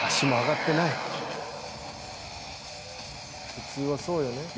普通はそうよね。